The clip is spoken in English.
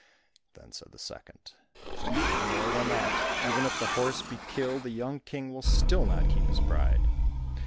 Then said the second, "I know more than that; even if the horse be killed, the young King will still not keep his bride.